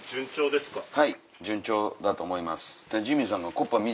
はい順調だと思います。